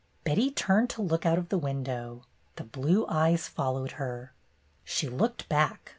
Betty turned to look out of the window. The blue eyes followed her. She looked back.